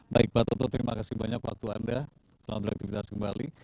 baik pak toto terima kasih banyak waktu anda selamat beraktivitas kembali